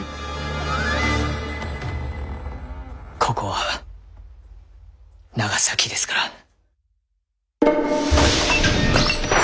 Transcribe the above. ここは長崎ですから。